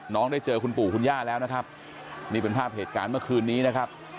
ได้เจอคุณปู่คุณย่าแล้วนะครับนี่เป็นภาพเหตุการณ์เมื่อคืนนี้นะครับ